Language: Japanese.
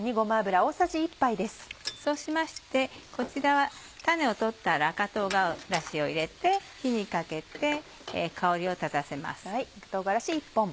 そうしましてこちらは種を取った赤唐辛子を入れて火にかけて香りを立たせます。